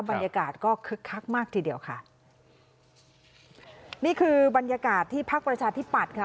บรรยากาศก็คึกคักมากทีเดียวค่ะนี่คือบรรยากาศที่พักประชาธิปัตย์ค่ะ